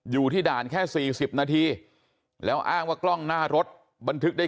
อยู่ที่ด่านแค่๔๐นาทีแล้วอ้างว่ากล้องหน้ารถบันทึกได้